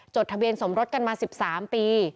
ทะเบียนสมรสกันมา๑๓ปี